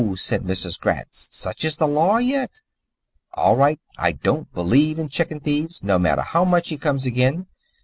said Mrs. Gratz. "Such is the law, yet? All right, I don't belief in chicken thiefs, no matter how much he comes again.